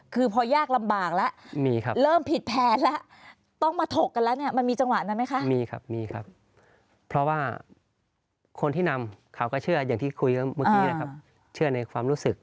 คือพอยากลำบากแล้ว